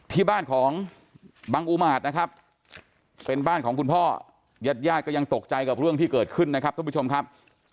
ที่บ้านของบังอุมาตนะครับเป็นบ้านของคุณพ่อญาติญาติก็ยังตกใจกับเรื่องที่เกิดขึ้นนะครับท่านผู้ชมครับ